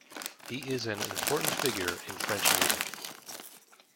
He is an important figure in French music.